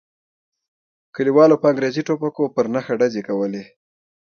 کلیوالو په انګریزي ټوپکو پر نښه ډزې کولې.